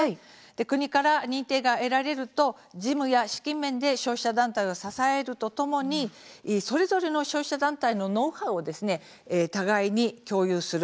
国から認定が得られると事務や資金面で消費者団体を支えるとともにそれぞれの消費者団体のノウハウを互いに共有する。